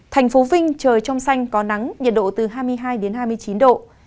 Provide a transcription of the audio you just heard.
thành phố vinh trời trong xanh có nắng nhiệt độ từ hai mươi hai đến hai mươi chín độ